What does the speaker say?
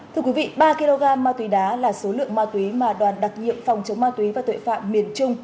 thưa quý vị ba kg ma túy đá là số lượng ma túy mà đoàn đặc nhiệm phòng chống ma túy và tội phạm miền trung